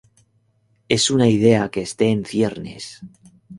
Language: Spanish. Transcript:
Es una idea que está en ciernes.